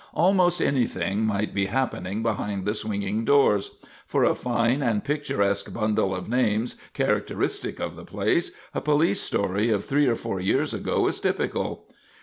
Almost anything might be happening behind the swinging doors. For a fine and picturesque bundle of names characteristic of the place, a police story of three or four years ago is typical.